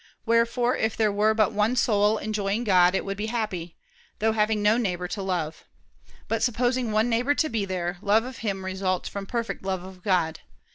Wherefore if there were but one soul enjoying God, it would be happy, though having no neighbor to love. But supposing one neighbor to be there, love of him results from perfect love of God.